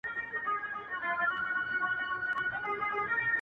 • موږ دوه د دوو مئينو زړونو څراغان پاته یوو؛